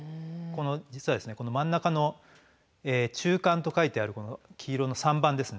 実はこの真ん中の「中間」と書いてある黄色の３番ですね